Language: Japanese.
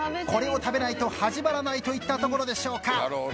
これを食べないと始まらないといったところでしょうか。